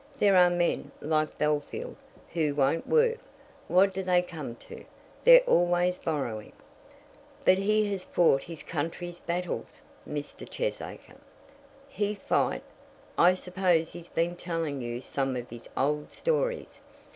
There are men, like Bellfield, who won't work. What do they come to? They're always borrowing." "But he has fought his country's battles, Mr. Cheesacre." "He fight! I suppose he's been telling you some of his old stories.